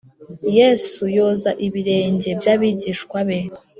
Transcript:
Yesu yoza ibirenge by’abigishwa be